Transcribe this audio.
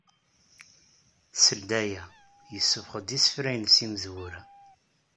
Seld aya, yessufeɣ-d isefra-ines imezwura.